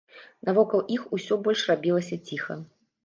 Навокал іх усё больш рабілася ціха.